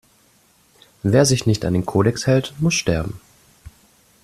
Wer sich nicht an den Kodex hält, muss sterben!